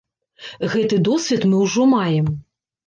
Гэты досвед мы ўжо маем.